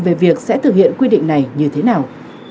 về việc sẽ thực hiện quy định này như thế nào